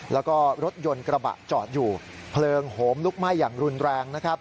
แล้วก็รถยนต์กระบะจอดอยู่เพลิงโหมลุกไหม้อย่างรุนแรงนะครับ